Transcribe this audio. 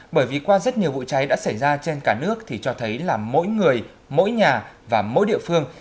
bởi vì qua rất nhiều vụ cháy đã xảy ra trên cả nước thì cho thấy là mỗi người mỗi nhà và mỗi địa phương